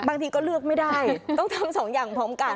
บางทีก็เลือกไม่ได้ต้องทำสองอย่างพร้อมกัน